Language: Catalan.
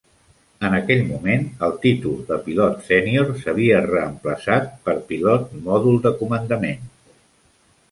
En aquell moment, el títol de pilot sènior s'havia reemplaçat per pilot modul de comandament.